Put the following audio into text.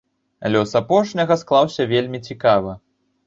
Лёс апошняга склаўся вельмі цікава.